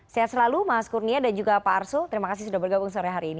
sehat selalu mas kurnia dan juga pak arsul terima kasih sudah bergabung sore hari ini